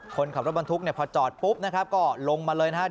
คนขับรถบรรทุกพอจอดปุ๊บนะครับก็ลงมาเลยนะ